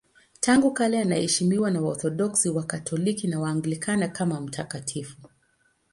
Tangu kale anaheshimiwa na Waorthodoksi, Wakatoliki na Waanglikana kama mtakatifu.